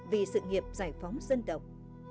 vì sự nghiệp giải phóng dân tộc